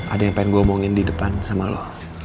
ada yang pengen gue ngomongin di depan sama lo